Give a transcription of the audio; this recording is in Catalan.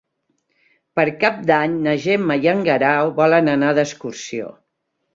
Per Cap d'Any na Gemma i en Guerau volen anar d'excursió.